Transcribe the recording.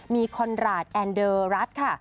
มีคอนราชแอนเดอร์รัฐค่ะ